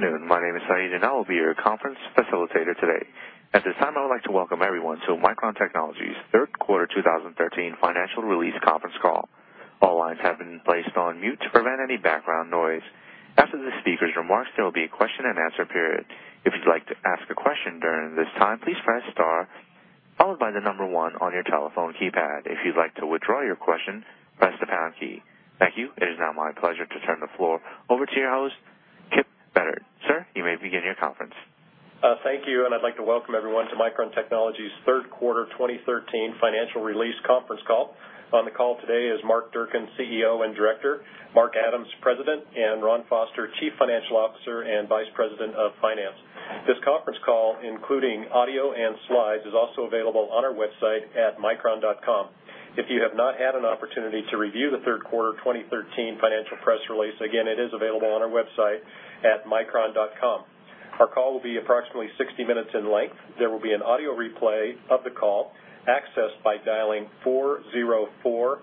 Good afternoon. My name is Saeed, and I will be your conference facilitator today. At this time, I would like to welcome everyone to Micron Technology's third quarter 2013 financial release conference call. All lines have been placed on mute to prevent any background noise. After the speakers' remarks, there will be a question-and-answer period. If you'd like to ask a question during this time, please press star followed by the number one on your telephone keypad. If you'd like to withdraw your question, press the pound key. Thank you. It is now my pleasure to turn the floor over to your host, Kipp Bedard. Sir, you may begin your conference. Thank you. I'd like to welcome everyone to Micron Technology's third quarter 2013 financial release conference call. On the call today is Mark Durcan, CEO and Director; Mark Adams, President; and Ronald Foster, Chief Financial Officer and Vice President of Finance. This conference call, including audio and slides, is also available on our website at micron.com. If you have not had an opportunity to review the third quarter 2013 financial press release, again, it is available on our website at micron.com. Our call will be approximately 60 minutes in length. There will be an audio replay of the call, accessed by dialing 404-537-3406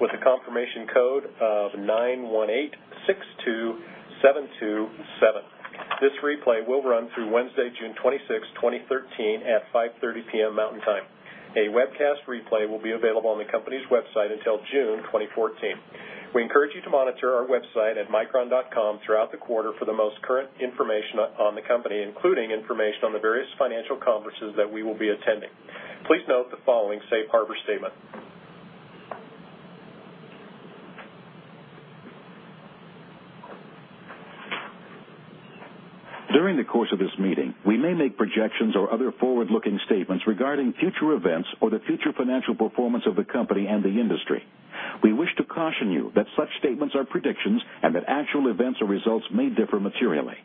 with a confirmation code of 91862727. This replay will run through Wednesday, June 26th, 2013, at 5:30 P.M. Mountain Time. A webcast replay will be available on the company's website until June 2014. We encourage you to monitor our website at micron.com throughout the quarter for the most current information on the company, including information on the various financial conferences that we will be attending. Please note the following safe harbor statement. During the course of this meeting, we may make projections or other forward-looking statements regarding future events or the future financial performance of the company and the industry. We wish to caution you that such statements are predictions and that actual events or results may differ materially.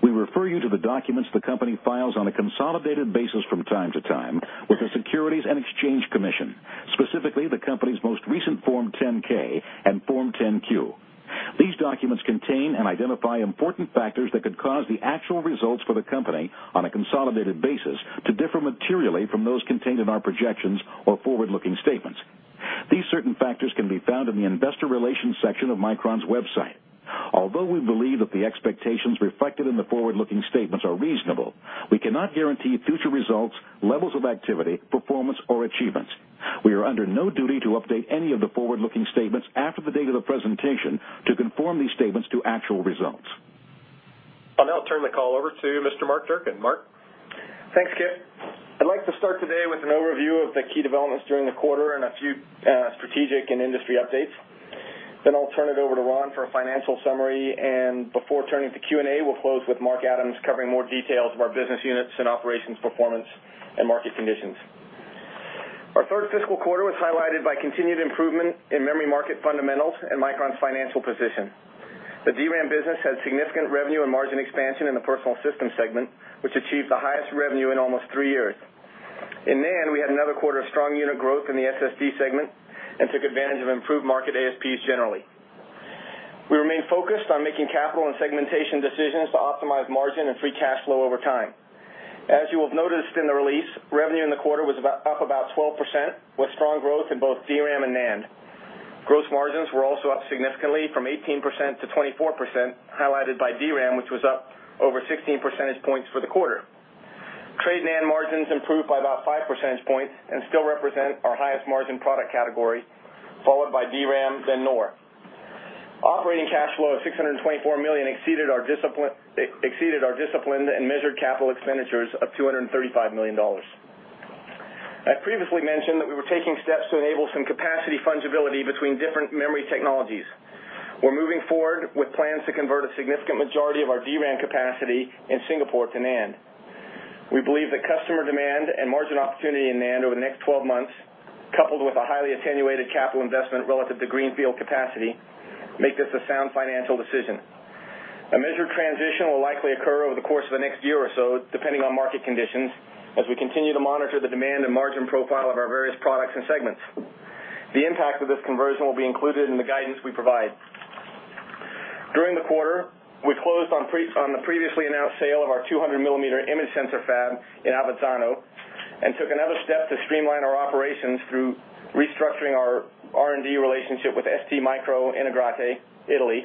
We refer you to the documents the company files on a consolidated basis from time to time with the Securities and Exchange Commission, specifically the company's most recent Form 10-K and Form 10-Q. These documents contain and identify important factors that could cause the actual results for the company, on a consolidated basis, to differ materially from those contained in our projections or forward-looking statements. These certain factors can be found in the investor relations section of Micron's website. Although we believe that the expectations reflected in the forward-looking statements are reasonable, we cannot guarantee future results, levels of activity, performance, or achievements. We are under no duty to update any of the forward-looking statements after the date of the presentation to conform these statements to actual results. I'll now turn the call over to Mr. Mark Durcan. Mark? Thanks, Kip. I'd like to start today with an overview of the key developments during the quarter and a few strategic and industry updates. I'll turn it over to Ron for a financial summary, and before turning to Q&A, we'll close with Mark Adams covering more details of our business units and operations performance and market conditions. Our third fiscal quarter was highlighted by continued improvement in memory market fundamentals and Micron's financial position. The DRAM business had significant revenue and margin expansion in the personal system segment, which achieved the highest revenue in almost 3 years. In NAND, we had another quarter of strong unit growth in the SSD segment and took advantage of improved market ASPs generally. We remain focused on making capital and segmentation decisions to optimize margin and free cash flow over time. As you will have noticed in the release, revenue in the quarter was up about 12%, with strong growth in both DRAM and NAND. Gross margins were also up significantly from 18%-24%, highlighted by DRAM, which was up over 16 percentage points for the quarter. Trade NAND margins improved by about five percentage points and still represent our highest-margin product category, followed by DRAM, then NOR. Operating cash flow of $624 million exceeded our disciplined and measured capital expenditures of $235 million. I previously mentioned that we were taking steps to enable some capacity fungibility between different memory technologies. We're moving forward with plans to convert a significant majority of our DRAM capacity in Singapore to NAND. We believe that customer demand and margin opportunity in NAND over the next 12 months, coupled with a highly attenuated capital investment relative to greenfield capacity, make this a sound financial decision. A measured transition will likely occur over the course of the next year or so, depending on market conditions, as we continue to monitor the demand and margin profile of our various products and segments. The impact of this conversion will be included in the guidance we provide. During the quarter, we closed on the previously announced sale of our 200-millimeter image sensor fab in Avezzano and took another step to streamline our operations through restructuring our R&D relationship with STMicroelectronics, Italy,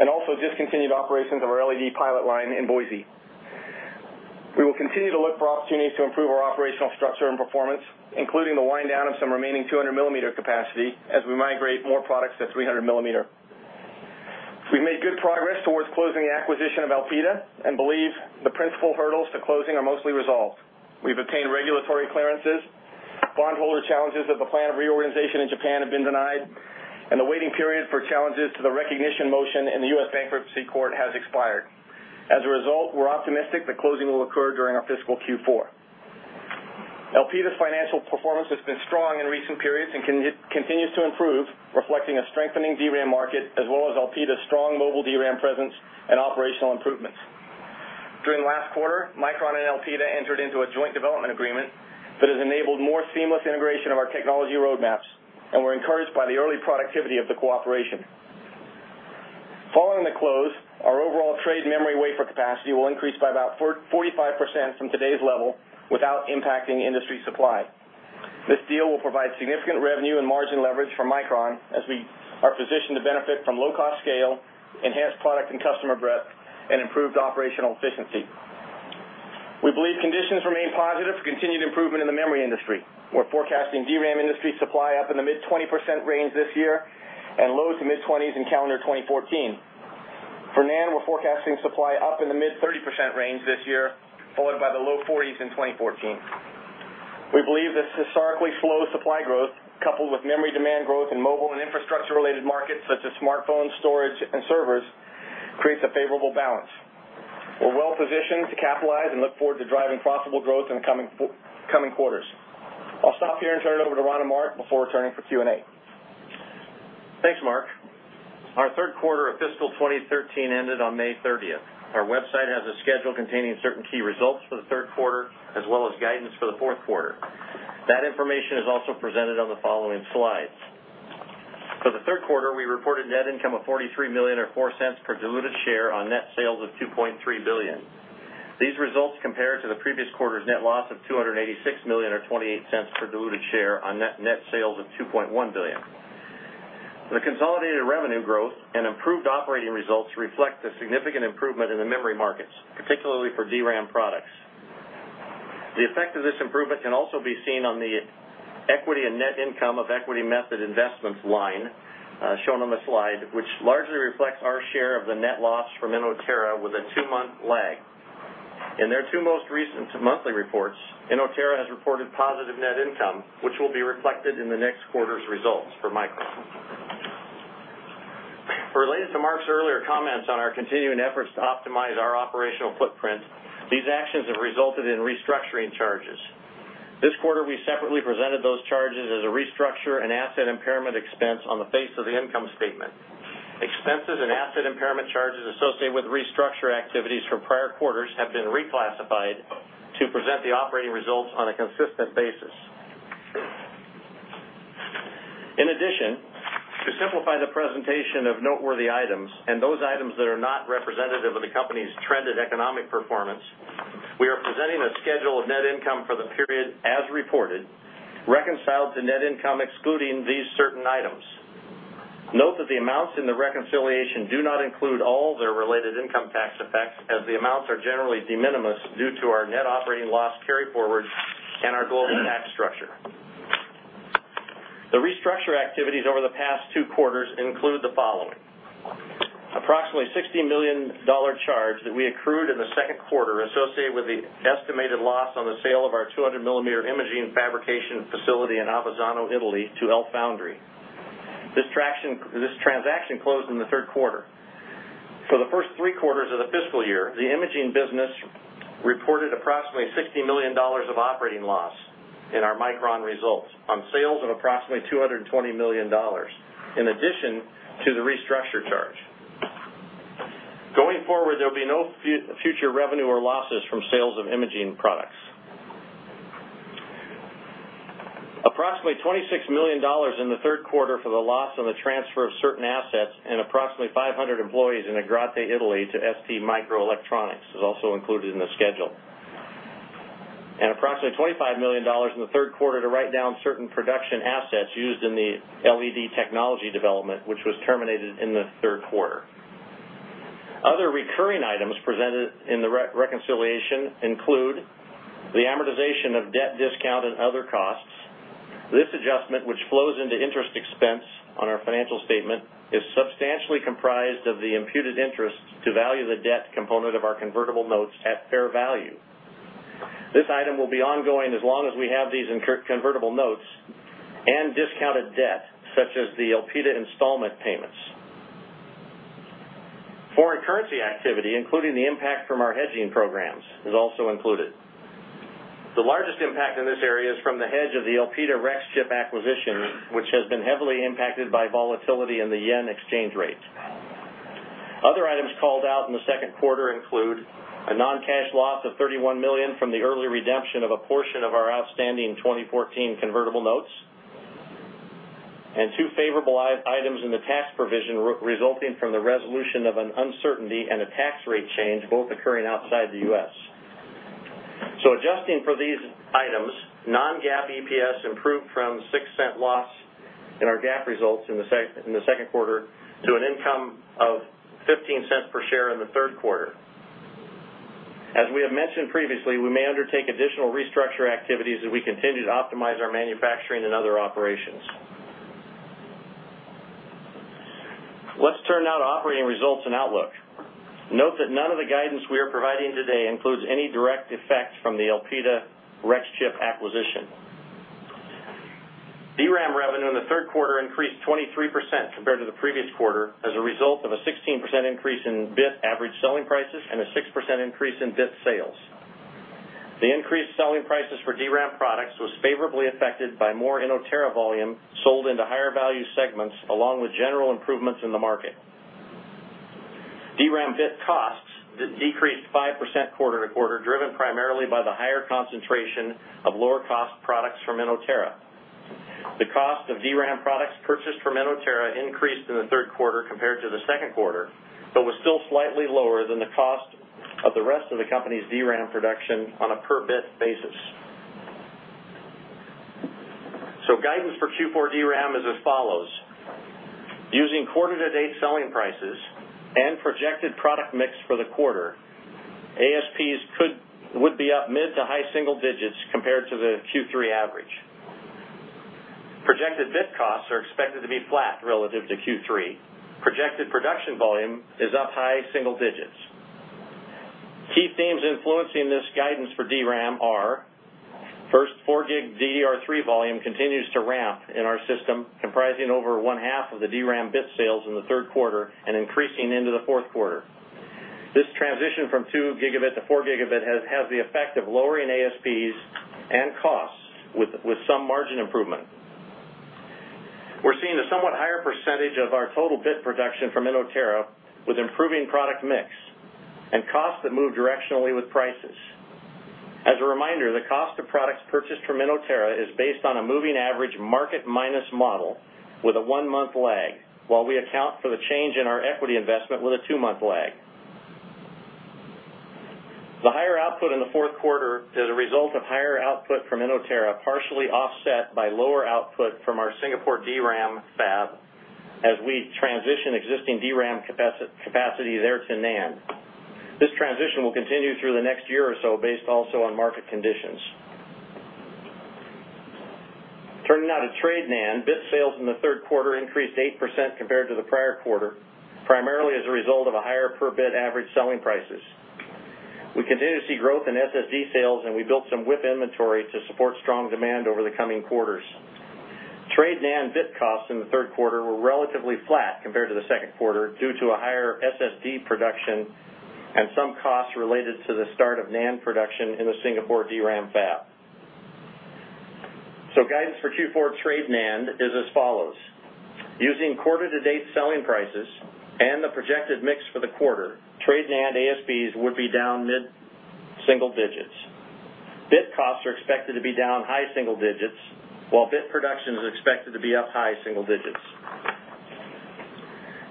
and also discontinued operations of our LED pilot line in Boise. We will continue to look for opportunities to improve our operational structure and performance, including the wind-down of some remaining 200-millimeter capacity as we migrate more products to 300-millimeter. We made good progress towards closing the acquisition of Elpida and believe the principal hurdles to closing are mostly resolved. We've obtained regulatory clearances, bondholder challenges of the plan of reorganization in Japan have been denied, and the waiting period for challenges to the recognition motion in the U.S. Bankruptcy Court has expired. As a result, we're optimistic that closing will occur during our fiscal Q4. Elpida's financial performance has been strong in recent periods and continues to improve, reflecting a strengthening DRAM market as well as Elpida's strong mobile DRAM presence and operational improvements. During the last quarter, Micron and Elpida entered into a joint development agreement that has enabled more seamless integration of our technology roadmaps. We're encouraged by the early productivity of the cooperation. Following the close, our overall trade memory wafer capacity will increase by about 45% from today's level without impacting industry supply. This deal will provide significant revenue and margin leverage for Micron as we are positioned to benefit from low-cost scale, enhanced product and customer breadth, and improved operational efficiency. We believe conditions remain positive for continued improvement in the memory industry. We're forecasting DRAM industry supply up in the mid-20% range this year and low to mid-20s in calendar 2014. For NAND, we're forecasting supply up in the mid-30% range this year, followed by the low 40s in 2014. We believe this historically slow supply growth, coupled with memory demand growth in mobile and infrastructure-related markets such as smartphones, storage, and servers, creates a favorable balance. We're well-positioned to capitalize and look forward to driving profitable growth in the coming quarters. I'll stop here and turn it over to Ron and Mark before turning for Q&A. Thanks, Mark. Our third quarter of fiscal 2013 ended on May 30th. Our website has a schedule containing certain key results for the third quarter, as well as guidance for the fourth quarter. That information is also presented on the following slides. For the third quarter, we reported net income of $43 million, or $0.04 per diluted share on net sales of $2.3 billion. These results compare to the previous quarter's net loss of $286 million or $0.28 per diluted share on net sales of $2.1 billion. The consolidated revenue growth and improved operating results reflect the significant improvement in the memory markets, particularly for DRAM products. The effect of this improvement can also be seen on the equity and net income of equity method investments line shown on the slide, which largely reflects our share of the net loss from Inotera with a two-month lag. In their two most recent monthly reports, Inotera has reported positive net income, which will be reflected in the next quarter's results for Micron. Related to Mark's earlier comments on our continuing efforts to optimize our operational footprint, these actions have resulted in restructuring charges. This quarter, we separately presented those charges as a restructure and asset impairment expense on the face of the income statement. Expenses and asset impairment charges associated with restructure activities from prior quarters have been reclassified to present the operating results on a consistent basis. To simplify the presentation of noteworthy items and those items that are not representative of the company's trended economic performance, we are presenting a schedule of net income for the period as reported, reconciled to net income excluding these certain items. Note that the amounts in the reconciliation do not include all their related income tax effects, as the amounts are generally de minimis due to our net operating loss carryforward and our global tax structure. The restructure activities over the past two quarters include the following. Approximately $60 million charge that we accrued in the second quarter associated with the estimated loss on the sale of our 200-millimeter imaging fabrication facility in Avezzano, Italy, to LFoundry. This transaction closed in the third quarter. For the first three quarters of the fiscal year, the imaging business reported approximately $60 million of operating loss in our Micron results on sales of approximately $220 million, in addition to the restructure charge. Going forward, there'll be no future revenue or losses from sales of imaging products. Approximately $26 million in the third quarter for the loss on the transfer of certain assets and approximately 500 employees in Agrate, Italy, to STMicroelectronics is also included in the schedule. Approximately $25 million in the third quarter to write down certain production assets used in the LED technology development, which was terminated in the third quarter. Other recurring items presented in the reconciliation include the amortization of debt discount and other costs. This adjustment, which flows into interest expense on our financial statement, is substantially comprised of the imputed interest to value the debt component of our convertible notes at fair value. This item will be ongoing as long as we have these convertible notes and discounted debt, such as the Elpida installment payments. Foreign currency activity, including the impact from our hedging programs, is also included. The largest impact in this area is from the hedge of the Elpida Rexchip acquisition, which has been heavily impacted by volatility in the JPY exchange rates. Other items called out in the second quarter include a non-cash loss of $31 million from the early redemption of a portion of our outstanding 2014 convertible notes and two favorable items in the tax provision resulting from the resolution of an uncertainty and a tax rate change, both occurring outside the U.S. Adjusting for these items, non-GAAP EPS improved from a $0.06 loss in our GAAP results in the second quarter to an income of $0.15 per share in the third quarter. As we have mentioned previously, we may undertake additional restructure activities as we continue to optimize our manufacturing and other operations. Let's turn now to operating results and outlook. Note that none of the guidance we are providing today includes any direct effect from the Elpida Rexchip acquisition. DRAM revenue in the third quarter increased 23% compared to the previous quarter as a result of a 16% increase in bit average selling prices and a 6% increase in bit sales. The increased selling prices for DRAM products was favorably affected by more Inotera volume sold into higher-value segments, along with general improvements in the market. DRAM bit costs decreased 5% quarter-to-quarter, driven primarily by the higher concentration of lower-cost products from Inotera. The cost of DRAM products purchased from Inotera increased in the third quarter compared to the second quarter, but was still slightly lower than the cost of the rest of the company's DRAM production on a per-bit basis. Guidance for Q4 DRAM is as follows. Using quarter-to-date selling prices and projected product mix for the quarter, ASPs would be up mid to high single digits compared to the Q3 average. Projected bit costs are expected to be flat relative to Q3. Projected production volume is up high single digits. Key themes influencing this guidance for DRAM are, first, 4-gig DDR3 volume continues to ramp in our system, comprising over one-half of the DRAM bit sales in the third quarter and increasing into the fourth quarter. This transition from two gigabit to four gigabit has the effect of lowering ASPs and costs with some margin improvement. We're seeing a somewhat higher percentage of our total bit production from Inotera, with improving product mix and costs that move directionally with prices. As a reminder, the cost of products purchased from Inotera is based on a moving average market minus model with a one-month lag. While we account for the change in our equity investment with a two-month lag. The higher output in the fourth quarter is a result of higher output from Inotera, partially offset by lower output from our Singapore DRAM fab as we transition existing DRAM capacity there to NAND. This transition will continue through the next year or so based also on market conditions. Turning now to trade NAND, bit sales in the third quarter increased 8% compared to the prior quarter, primarily as a result of higher per-bit average selling prices. We continue to see growth in SSD sales, and we built some WIP inventory to support strong demand over the coming quarters. Trade NAND bit costs in the third quarter were relatively flat compared to the second quarter due to higher SSD production and some costs related to the start of NAND production in the Singapore DRAM fab. guidance for Q4 trade NAND is as follows. Using quarter-to-date selling prices and the projected mix for the quarter, trade NAND ASPs would be down mid-single digits. Bit costs are expected to be down high single digits, while bit production is expected to be up high single digits.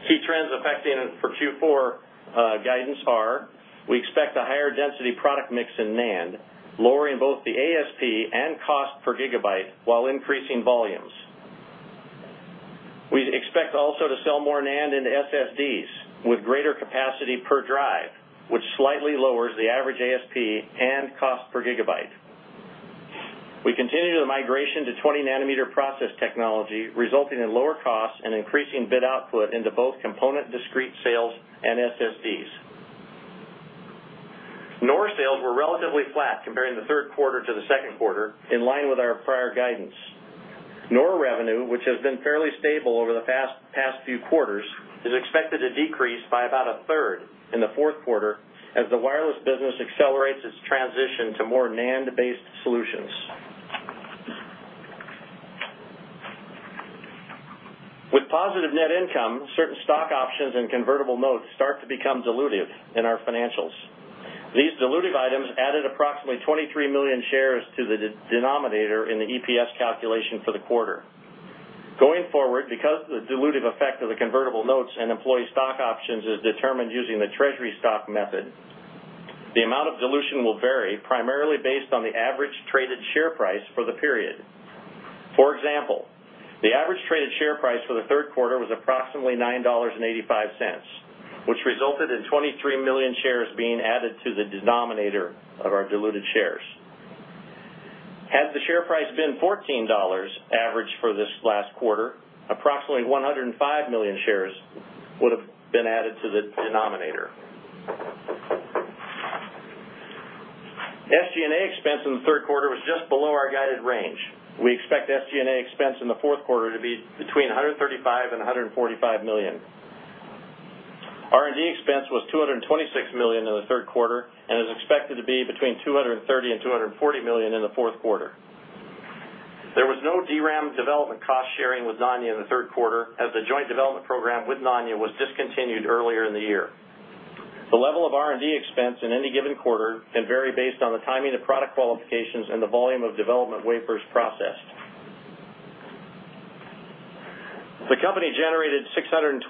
Key trends affecting for Q4 guidance are, we expect a higher-density product mix in NAND, lowering both the ASP and cost per gigabyte while increasing volumes. We expect also to sell more NAND into SSDs with greater capacity per drive, which slightly lowers the average ASP and cost per gigabyte. We continue the migration to 20-nanometer process technology, resulting in lower costs and increasing bit output into both component discrete sales and SSDs. NOR sales were relatively flat comparing the third quarter to the second quarter, in line with our prior guidance. NOR revenue, which has been fairly stable over the past few quarters, is expected to decrease by about a third in the fourth quarter as the wireless business accelerates its transition to more NAND-based solutions. With positive net income, certain stock options and convertible notes start to become dilutive in our financials. These dilutive items added approximately 23 million shares to the denominator in the EPS calculation for the quarter. Going forward, because the dilutive effect of the convertible notes and employee stock options is determined using the treasury stock method, the amount of dilution will vary primarily based on the average traded share price for the period. For example, the average traded share price for the third quarter was approximately $9.85, which resulted in 23 million shares being added to the denominator of our diluted shares. Had the share price been $14 average for this last quarter, approximately 105 million shares would've been added to the denominator. SG&A expense in the third quarter was just below our guided range. We expect SG&A expense in the fourth quarter to be between $135 million and $145 million. R&D expense was $226 million in the third quarter and is expected to be between $230 million and $240 million in the fourth quarter. There was no DRAM development cost-sharing with Nanya in the third quarter, as the joint development program with Nanya was discontinued earlier in the year. The level of R&D expense in any given quarter can vary based on the timing of product qualifications and the volume of development wafers processed. The company generated $624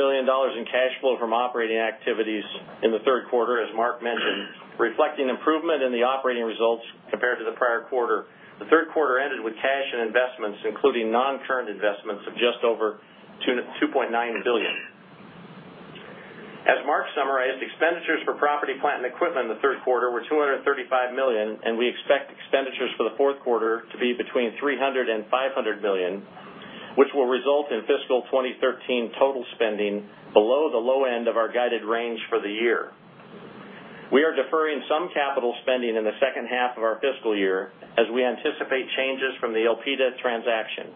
million in cash flow from operating activities in the third quarter, as Mark mentioned, reflecting improvement in the operating results compared to the prior quarter. The third quarter ended with cash and investments, including non-current investments of just over $2.9 billion. As Mark summarized, expenditures for property, plant, and equipment in the third quarter were $235 million, and we expect expenditures for the fourth quarter to be between $300 million and $500 million, which will result in fiscal 2013 total spending below the low end of our guided range for the year. We are deferring some capital spending in the second half of our fiscal year as we anticipate changes from the Elpida transaction.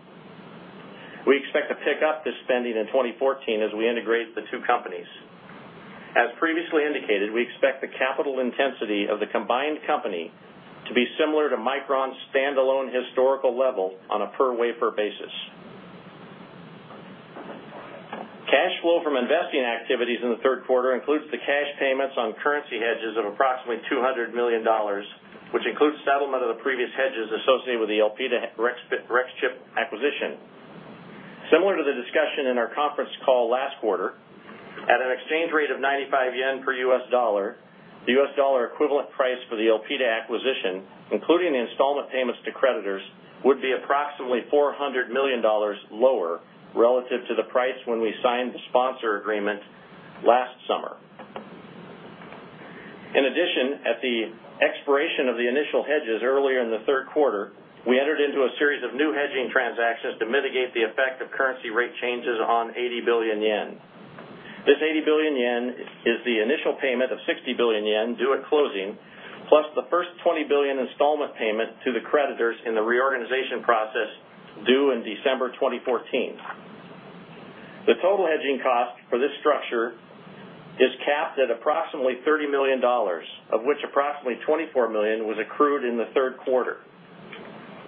We expect to pick up this spending in 2014 as we integrate the two companies. As previously indicated, we expect the capital intensity of the combined company to be similar to Micron's standalone historical level on a per-wafer basis. Activities in the third quarter includes the cash payments on currency hedges of approximately $200 million, which includes settlement of the previous hedges associated with the Elpida Rexchip acquisition. Similar to the discussion in our conference call last quarter, at an exchange rate of ¥95 per US dollar, the US dollar equivalent price for the Elpida acquisition, including the installment payments to creditors, would be approximately $400 million lower relative to the price when we signed the sponsor agreement last summer. In addition, at the expiration of the initial hedges earlier in the third quarter, we entered into a series of new hedging transactions to mitigate the effect of currency rate changes on 80 billion yen. This 80 billion yen is the initial payment of 60 billion yen due at closing, plus the first 20 billion installment payment to the creditors in the reorganization process due in December 2014. The total hedging cost for this structure is capped at approximately $30 million, of which approximately $24 million was accrued in the third quarter.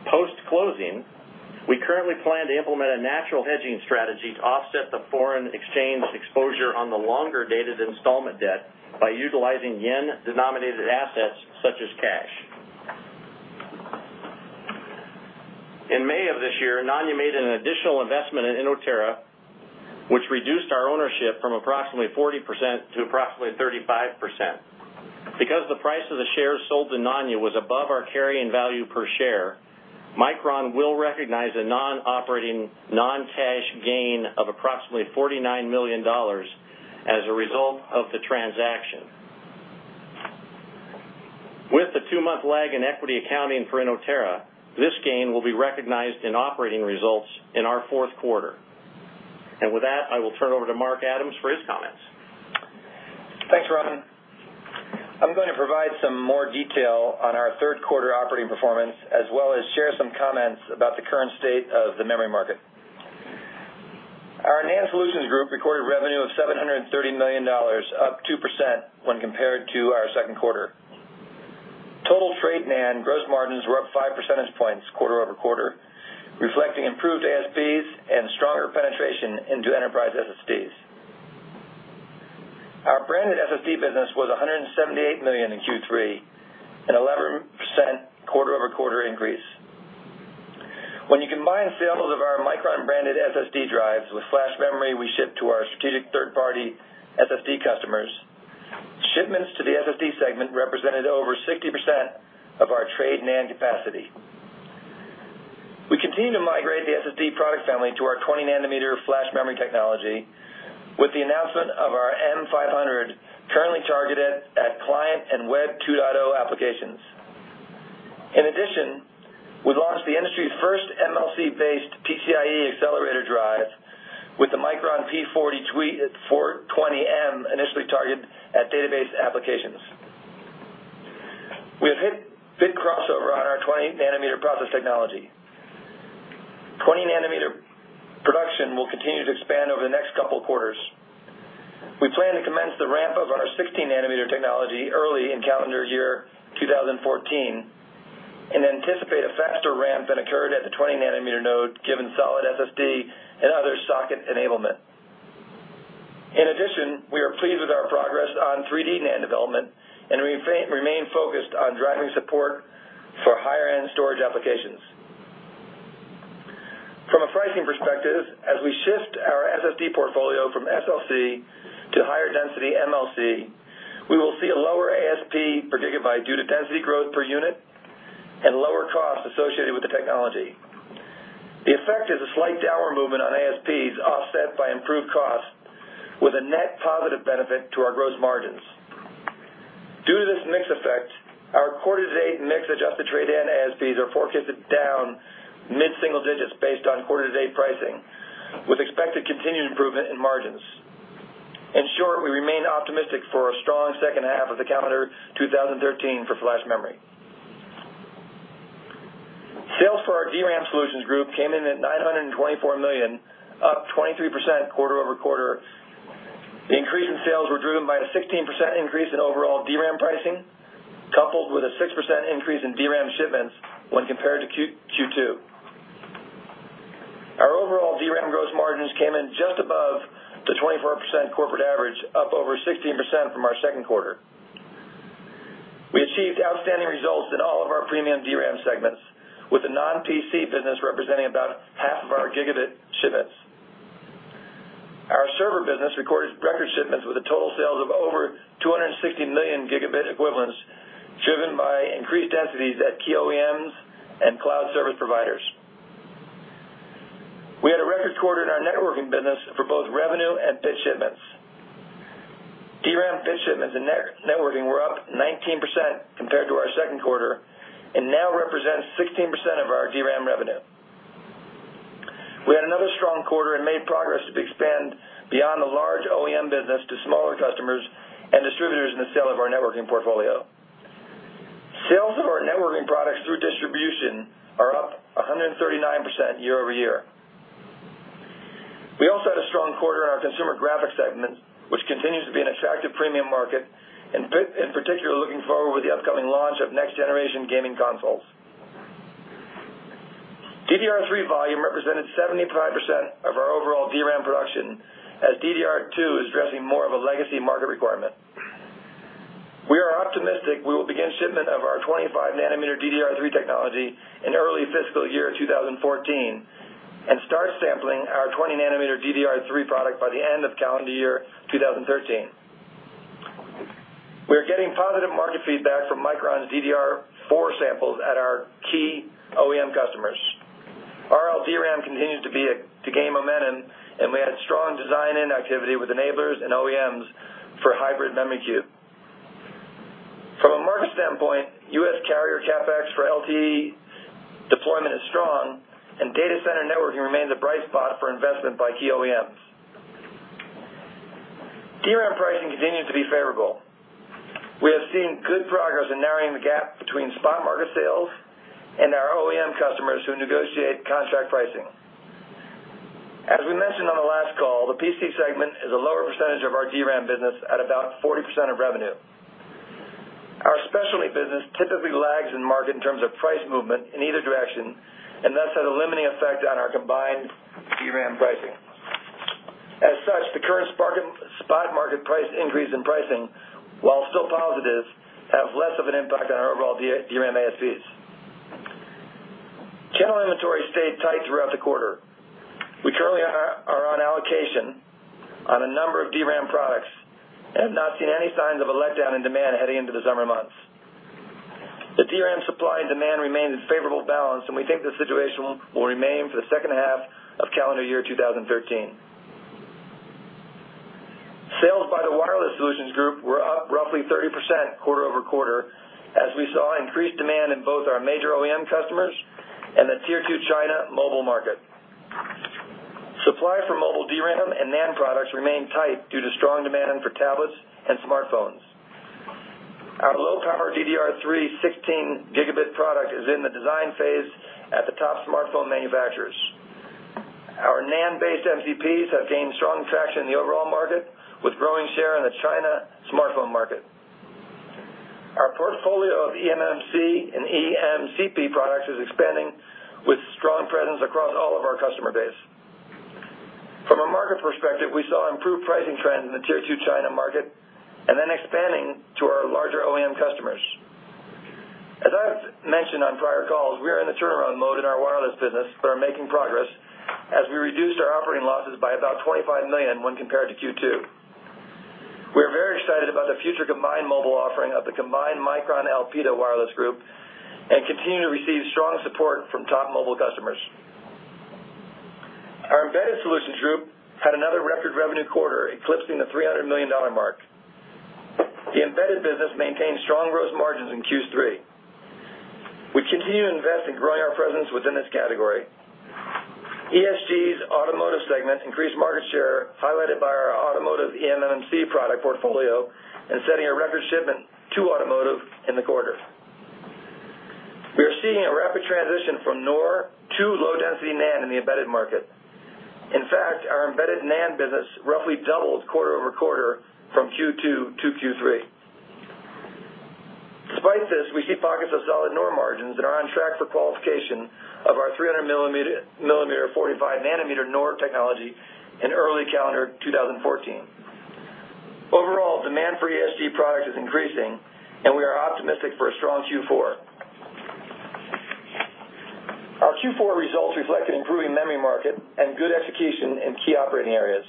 Post-closing, we currently plan to implement a natural hedging strategy to offset the foreign exchange exposure on the longer-dated installment debt by utilizing yen-denominated assets such as cash. In May of this year, Nanya made an additional investment in Inotera, which reduced our ownership from approximately 40% to approximately 35%. Because the price of the shares sold to Nanya was above our carrying value per share, Micron will recognize a non-operating, non-cash gain of approximately $49 million as a result of the transaction. With the two-month lag in equity accounting for Inotera, this gain will be recognized in operating results in our fourth quarter. With that, I will turn over to Mark Adams for his comments. Thanks, Ron. I'm going to provide some more detail on our third-quarter operating performance, as well as share some comments about the current state of the memory market. Our NAND Solutions Group recorded revenue of $730 million, up 2% when compared to our second quarter. Total trade NAND gross margins were up five percentage points quarter-over-quarter, reflecting improved ASPs and stronger penetration into enterprise SSDs. Our branded SSD business was $178 million in Q3, an 11% quarter-over-quarter increase. When you combine sales of our Micron-branded SSD drives with flash memory we ship to our strategic third-party SSD customers, shipments to the SSD segment represented over 60% of our trade NAND capacity. We continue to migrate the SSD product family to our 20-nanometer flash memory technology with the announcement of our M500, currently targeted at client and Web 2.0 applications. In addition, we launched the industry's first MLC-based PCIe accelerator drive with the Micron P420m, initially targeted at database applications. We have hit big crossover on our 20-nanometer process technology. 20-nanometer production will continue to expand over the next couple of quarters. We plan to commence the ramp-up of our 16-nanometer technology early in calendar year 2014 and anticipate a faster ramp than occurred at the 20-nanometer node, given solid SSD and other socket enablement. In addition, we are pleased with our progress on 3D NAND development, and we remain focused on driving support for higher-end storage applications. From a pricing perspective, as we shift our SSD portfolio from SLC to higher-density MLC, we will see a lower ASP per gigabyte due to density growth per unit and lower costs associated with the technology. The effect is a slight downward movement on ASPs offset by improved costs with a net positive benefit to our gross margins. Due to this mix effect, our quarter-to-date mix-adjusted trade-in ASPs are forecasted down mid-single digits based on quarter-to-date pricing, with expected continued improvement in margins. In short, we remain optimistic for a strong second half of the calendar 2013 for flash memory. Sales for our DRAM Solutions Group came in at $924 million, up 23% quarter-over-quarter. The increase in sales were driven by a 16% increase in overall DRAM pricing, coupled with a 6% increase in DRAM shipments when compared to Q2. Our overall DRAM gross margins came in just above the 24% corporate average, up over 16% from our second quarter. We achieved outstanding results in all of our premium DRAM segments, with the non-PC business representing about half of our gigabit shipments. Our server business recorded record shipments with a total sales of over 260 million gigabit equivalents, driven by increased densities at key OEMs and cloud service providers. We had a record quarter in our networking business for both revenue and bit shipments. DRAM bit shipments in networking were up 19% compared to our second quarter and now represent 16% of our DRAM revenue. We had another strong quarter and made progress to expand beyond the large OEM business to smaller customers and distributors in the sale of our networking portfolio. Sales of our networking products through distribution are up 139% year-over-year. We also had a strong quarter in our consumer graphics segment, which continues to be an attractive premium market, in particular looking forward with the upcoming launch of next-generation gaming consoles. DDR3 volume represented 75% of our overall DRAM production, as DDR2 is addressing more of a legacy market requirement. We are optimistic we will begin shipment of our 25-nanometer DDR3 technology in early fiscal year 2014 and start sampling our 20-nanometer DDR3 product by the end of calendar year 2013. We are getting positive market feedback from Micron's DDR4 samples at our key OEM customers. Our LPDRAM continues to gain momentum, and we had strong design-in activity with enablers and OEMs for Hybrid Memory Cube. From a market standpoint, U.S. carrier CapEx for LTE deployment is strong, and data center networking remains a bright spot for investment by key OEMs. DRAM pricing continued to be favorable. We have seen good progress in narrowing the gap between spot market sales and our OEM customers who negotiate contract pricing. As we mentioned on the last call, the PC segment is a lower percentage of our DRAM business at about 40% of revenue. Our specialty business typically lags in market in terms of price movement in either direction and thus had a limiting effect on our combined DRAM pricing. As such, the current spot market price increase in pricing, while still positive, have less of an impact on our overall DRAM ASPs. Channel inventory stayed tight throughout the quarter. We currently are on allocation on a number of DRAM products and have not seen any signs of a letdown in demand heading into the summer months. The DRAM supply and demand remains in favorable balance, and we think this situation will remain for the second half of calendar year 2013. Sales by the Wireless Solutions Group were up roughly 30% quarter-over-quarter, as we saw increased demand in both our major OEM customers and the tier 2 China mobile market. Supply for mobile DRAM and NAND products remained tight due to strong demand for tablets and smartphones. Our low-power DDR3 16 gigabit product is in the design phase at the top smartphone manufacturers. Our NAND-based MCPs have gained strong traction in the overall market, with growing share in the China smartphone market. Our portfolio of eMMC and EMCP products is expanding with strong presence across all of our customer base. From a market perspective, we saw improved pricing trends in the tier 2 China market and then expanding to our larger OEM customers. As I've mentioned on prior calls, we are in the turnaround mode in our wireless business but are making progress as we reduced our operating losses by about $25 million when compared to Q2. We're very excited about the future combined mobile offering of the combined Micron Elpida wireless group and continue to receive strong support from top mobile customers. Our Embedded Solutions Group had another record revenue quarter, eclipsing the $300 million mark. The embedded business maintained strong gross margins in Q3. We continue to invest in growing our presence within this category. ESG's automotive segment increased market share, highlighted by our automotive eMMC product portfolio and setting a record shipment to automotive in the quarter. We are seeing a rapid transition from NOR to low-density NAND in the embedded market. In fact, our embedded NAND business roughly doubled quarter-over-quarter from Q2 to Q3. Despite this, we see pockets of solid NOR margins and are on track for qualification of our 300-millimeter 45-nanometer NOR technology in early calendar 2014. Overall, demand for ESG product is increasing, and we are optimistic for a strong Q4. Our Q4 results reflect an improving memory market and good execution in key operating areas.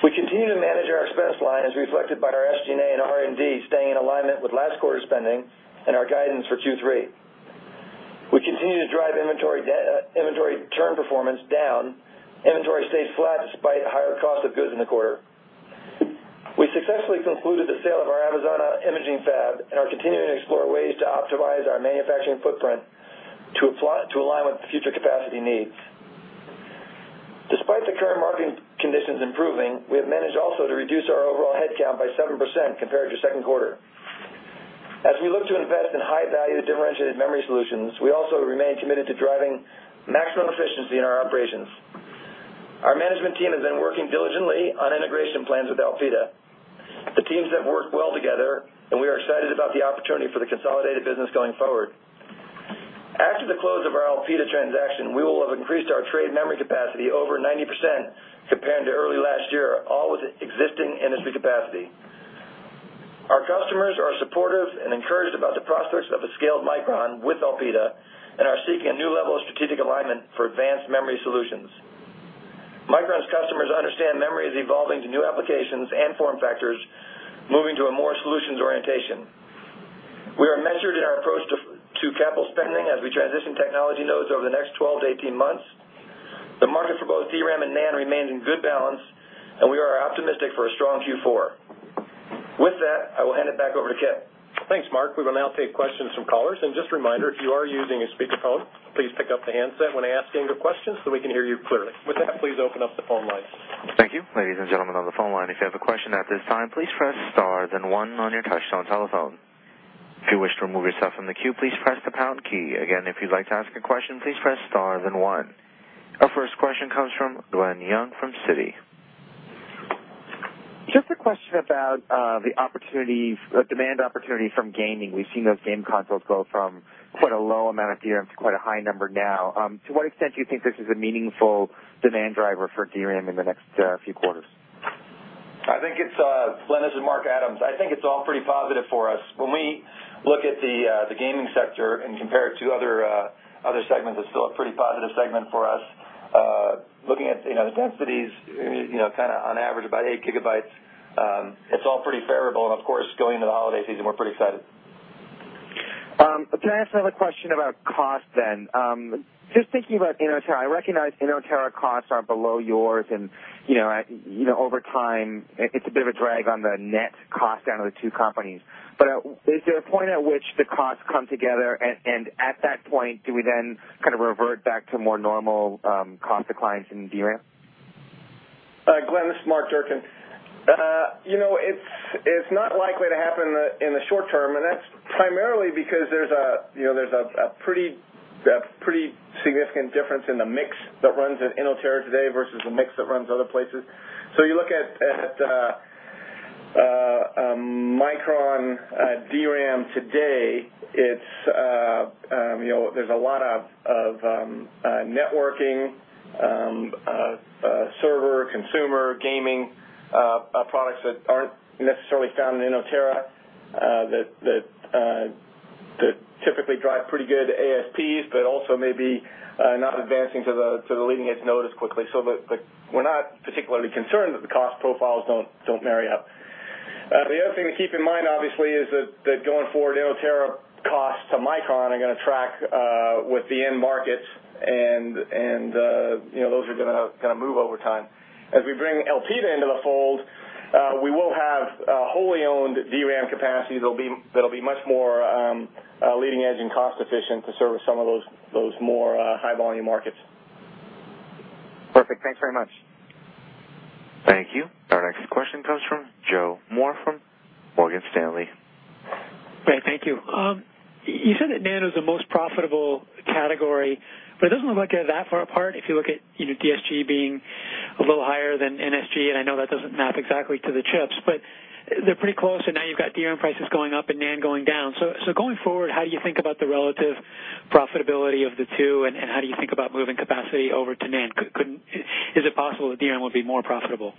We continue to manage our expense line, as reflected by our SG&A and R&D staying in alignment with last quarter's spending and our guidance for Q3. We continue to drive inventory turn performance down. Inventory stays flat despite higher cost of goods in the quarter. We successfully concluded the sale of our Avezzano imaging fab and are continuing to explore ways to optimize our manufacturing footprint to align with future capacity needs. Despite the current market conditions improving, we have managed also to reduce our overall headcount by 7% compared to second quarter. As we look to invest in high-value, differentiated memory solutions, we also remain committed to driving maximum efficiency in our operations. Our management team has been working diligently on integration plans with Elpida. The teams have worked well together, and we are excited about the opportunity for the consolidated business going forward. After the close of our Elpida transaction, we will have increased our trade memory capacity over 90% compared to early last year, all with existing industry capacity. Our customers are supportive and encouraged about the prospects of a scaled Micron with Elpida and are seeking a new level of strategic alignment for advanced memory solutions. Micron's customers understand memory is evolving to new applications and form factors, moving to a more solutions orientation. We are measured in our approach to capital spending as we transition technology nodes over the next 12 to 18 months. The market for both DRAM and NAND remains in good balance, and we are optimistic for a strong Q4. With that, I will hand it back over to Kip. Thanks, Mark. We will now take questions from callers, and just a reminder, if you are using a speakerphone, please pick up the handset when asking your questions so we can hear you clearly. With that, please open up the phone lines. Thank you. Ladies and gentlemen on the phone line, if you have a question at this time, please press star then one on your touch-tone telephone. If you wish to remove yourself from the queue, please press the pound key. Again, if you'd like to ask a question, please press star then one. Our first question comes from Glen Yeung from Citi. Just a question about the demand opportunity from gaming. We've seen those game consoles go from quite a low amount of DRAM to quite a high number now. To what extent do you think this is a meaningful demand driver for DRAM in the next few quarters? Glen, this is Mark Adams. I think it's all pretty positive for us. When we look at the gaming sector and compare it to other segments, it's still a pretty positive segment for us. Looking at the densities, on average about 8 gigabytes. Of course, going into the holiday season, we're pretty excited. Can I ask another question about cost, then? Just thinking about Inotera, I recognize Inotera costs are below yours and over time, it's a bit of a drag on the net cost down of the two companies. Is there a point at which the costs come together, and at that point, do we then revert back to more normal cost declines in DRAM? Glen, this is Mark Durcan. It's not likely to happen in the short term, and that's primarily because there's a pretty significant difference in the mix that runs at Inotera today versus the mix that runs other places. You look at Micron DRAM today, there's a lot of networking, server, consumer, gaming products that aren't necessarily found in Inotera, that typically drive pretty good ASPs, but also may be not advancing to the leading edge node as quickly. We're not particularly concerned that the cost profiles don't marry up. The other thing to keep in mind, obviously, is that going forward, Inotera costs to Micron are going to track with the end markets and those are going to move over time. As we bring Elpida into the fold, we will have wholly owned DRAM capacity that'll be much more leading edge and cost efficient to service some of those more high-volume markets. Perfect. Thanks very much. Thank you. Our next question comes from Joseph Moore from Morgan Stanley. Great. Thank you. You said that NAND was the most profitable category, but it doesn't look like they're that far apart if you look at DSG being a little higher than NSG, and I know that doesn't map exactly to the chips, but they're pretty close. Now you've got DRAM prices going up and NAND going down. Going forward, how do you think about the relative profitability of the two, and how do you think about moving capacity over to NAND? Is it possible that DRAM will be more profitable?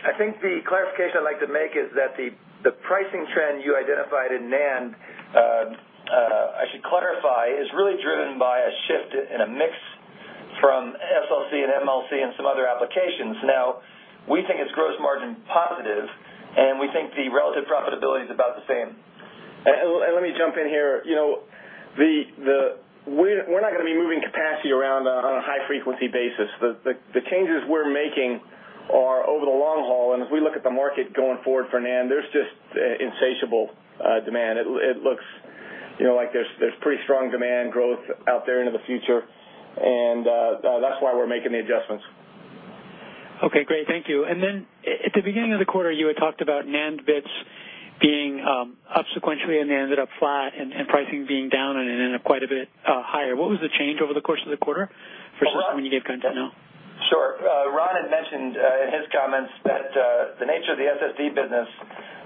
I think the clarification I'd like to make is that the pricing trend you identified in NAND, I should clarify, is really driven by a shift in a mix from SLC and MLC and some other applications. We think it's gross margin positive, and we think the relative profitability is about the same. Let me jump in here. We're not going to be moving capacity around on a high-frequency basis. The changes we're making are over the long haul, and if we look at the market going forward for NAND, there's just insatiable demand. It looks like there's pretty strong demand growth out there into the future, and that's why we're making the adjustments. Okay, great. Thank you. At the beginning of the quarter, you had talked about NAND bits being up sequentially, they ended up flat and pricing being down and then ended up quite a bit higher. What was the change over the course of the quarter versus when you gave guidance at now? Sure. Ron had mentioned in his comments that the nature of the SSD business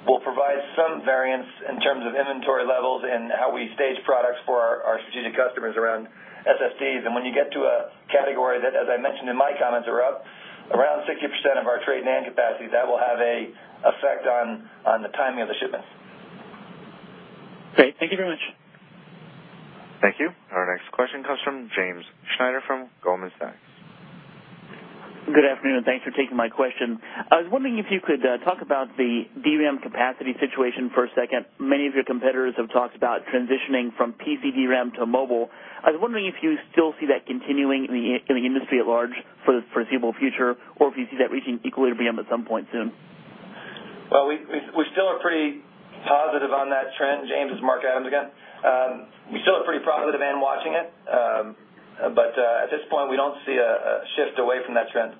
will provide some variance in terms of inventory levels and how we stage products for our strategic customers around SSDs. When you get to a category that, as I mentioned in my comments, are up around 60% of our trade NAND capacity, that will have an effect on the timing of the shipments. Great. Thank you very much. Thank you. Our next question comes from James Schneider from Goldman Sachs. Good afternoon. Thanks for taking my question. I was wondering if you could talk about the DRAM capacity situation for a second. Many of your competitors have talked about transitioning from PC DRAM to mobile. I was wondering if you still see that continuing in the industry at large for the foreseeable future, or if you see that reaching equilibrium at some point soon. We still are pretty positive on that trend. James, it's Mark Adams again. We still are pretty positive and watching it. At this point, we don't see a shift away from that trend.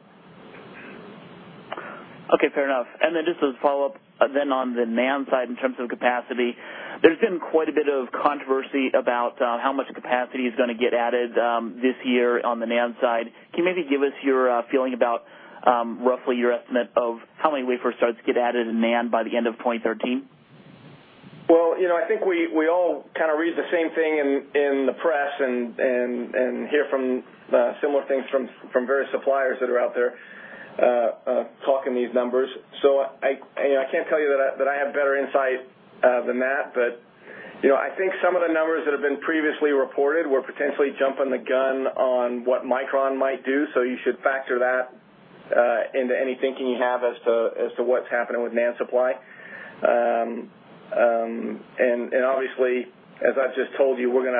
Okay, fair enough. Just as a follow-up on the NAND side, in terms of capacity, there's been quite a bit of controversy about how much capacity is going to get added this year on the NAND side. Can you maybe give us your feeling about roughly your estimate of how many wafer starts get added in NAND by the end of 2013? I think we all read the same thing in the press and hear similar things from various suppliers that are out there talking these numbers. I can't tell you that I have better insight than that. I think some of the numbers that have been previously reported were potentially jumping the gun on what Micron might do. You should factor that into any thinking you have as to what's happening with NAND supply. Obviously, as I've just told you, we're going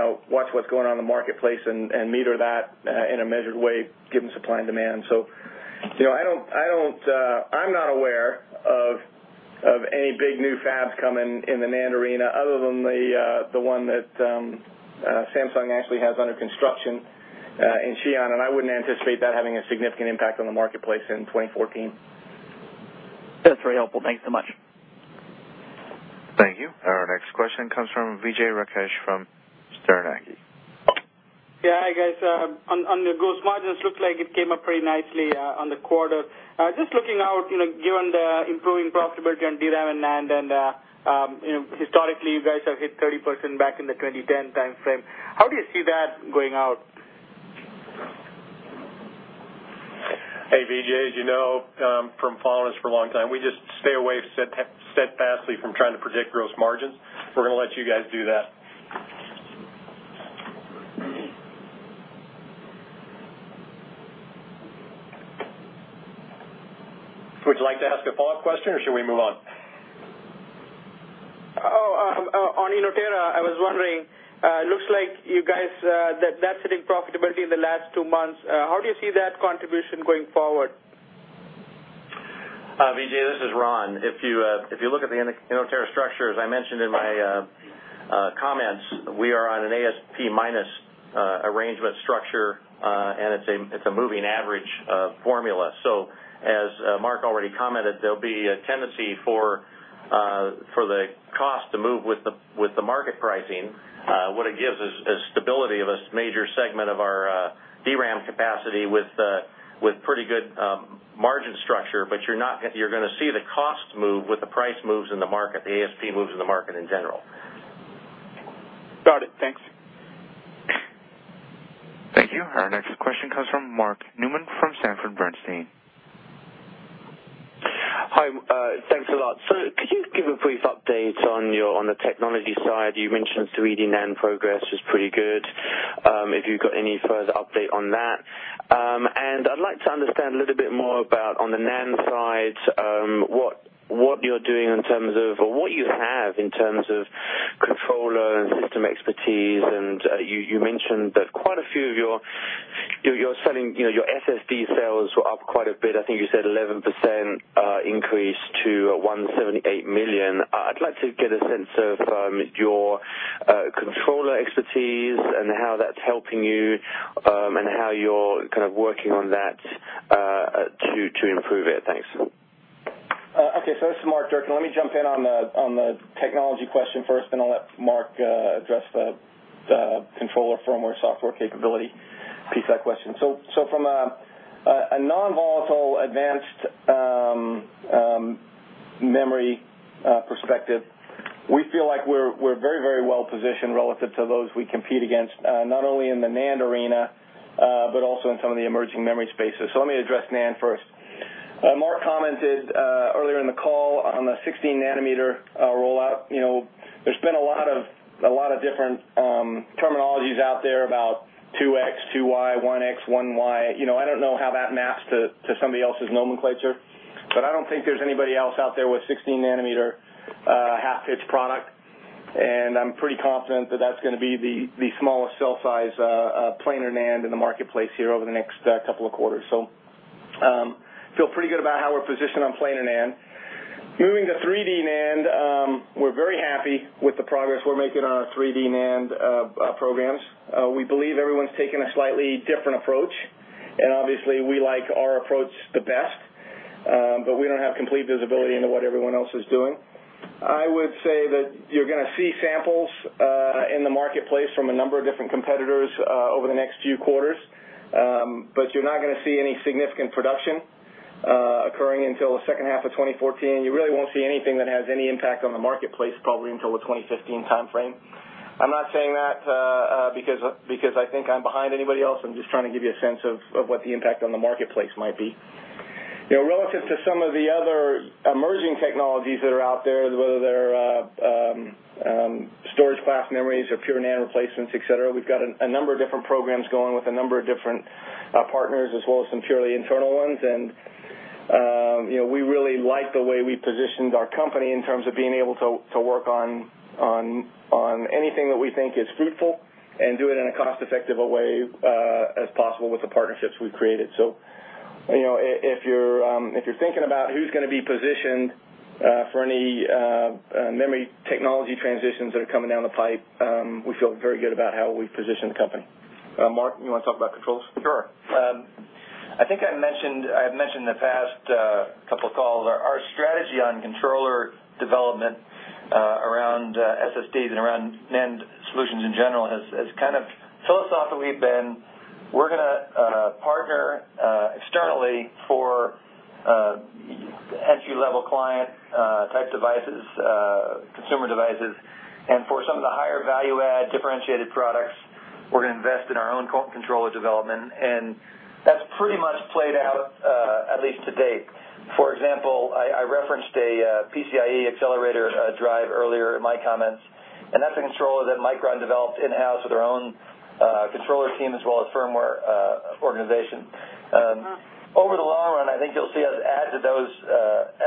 to watch what's going on in the marketplace and meter that in a measured way, given supply and demand. I'm not aware of any big new fabs coming in the NAND arena other than the one that Samsung actually has under construction in Xi'an, and I wouldn't anticipate that having a significant impact on the marketplace in 2014. That's very helpful. Thanks so much. Thank you. Our next question comes from Vijay Rakesh from Yeah. Hi, guys. On the gross margins, looks like it came up pretty nicely on the quarter. Just looking out, given the improving profitability on DRAM and NAND, and historically, you guys have hit 30% back in the 2010 timeframe, how do you see that going out? Hey, Vijay, as you know from following us for a long time, we just stay away steadfastly from trying to predict gross margins. We're going to let you guys do that. Would you like to ask a follow-up question, or should we move on? On Inotera Memories, I was wondering, looks like you guys, that hitting profitability in the last two months, how do you see that contribution going forward? Vijay Rakesh, this is Ronald Foster. If you look at the Inotera Memories structure, as I mentioned in my comments, we are on an ASP-minus arrangement structure. It's a moving average formula. As Mark already commented, there'll be a tendency for the cost to move with the market pricing. What it gives is stability of a major segment of our DRAM capacity with pretty good margin structure, you're going to see the cost move with the price moves in the market, the ASP moves in the market in general. Got it. Thanks. Thank you. Our next question comes from Mark Newman from Sanford C. Bernstein. Hi. Thanks a lot. Could you give a brief update on the technology side? You mentioned 3D NAND progress was pretty good, if you've got any further update on that. I'd like to understand a little bit more about, on the NAND side, what you have in terms of controller and system expertise. You mentioned that your SSD sales were up quite a bit. I think you said 11% increase to $178 million. I'd like to get a sense of your controller expertise and how that's helping you, and how you're kind of working on that to improve it. Thanks. This is Mark Durcan. Let me jump in on the technology question first, then I'll let Mark address the controller firmware software capability piece of that question. From a non-volatile advanced memory perspective, we feel like we're very well-positioned relative to those we compete against, not only in the NAND arena, but also in some of the emerging memory spaces. Let me address NAND first. Mark commented earlier in the call on the 16-nanometer rollout. There's been a lot of different terminologies out there about 2X, 2Y, 1X, 1Y. I don't know how that maps to somebody else's nomenclature. I don't think there's anybody else out there with 16-nanometer half-pitch product. I'm pretty confident that that's going to be the smallest cell size planar NAND in the marketplace here over the next couple of quarters. Feel pretty good about how we're positioned on planar NAND. Moving to 3D NAND, we're very happy with the progress we're making on our 3D NAND programs. We believe everyone's taking a slightly different approach. Obviously, we like our approach the best. We don't have complete visibility into what everyone else is doing. I would say that you're going to see samples in the marketplace from a number of different competitors over the next few quarters. You're not going to see any significant production occurring until the second half of 2014. You really won't see anything that has any impact on the marketplace probably until the 2015 timeframe. I'm not saying that because I think I'm behind anybody else. I'm just trying to give you a sense of what the impact on the marketplace might be. Relative to some of the other emerging technologies that are out there, whether they're storage class memories or pure NAND replacements, et cetera, we've got a number of different programs going with a number of different partners, as well as some purely internal ones. We really like the way we positioned our company in terms of being able to work on anything that we think is fruitful and do it in a cost-effective way as possible with the partnerships we've created. If you're thinking about who's going to be positioned for any memory technology transitions that are coming down the pipe, we feel very good about how we've positioned the company. Mark, you want to talk about controls? Sure. I think I've mentioned in the past couple of calls, our strategy on controller development around SSDs and around NAND solutions in general has kind of philosophically been, we're going to partner externally for entry-level client type devices, consumer devices. For some of the higher value-add differentiated products, we're going to invest in our own controller development. That's pretty much played out, at least to date. For example, I referenced a PCIe accelerator drive earlier in my comments, and that's a controller that Micron developed in-house with their own controller team as well as firmware organization. Over the long run, I think you'll see us add to those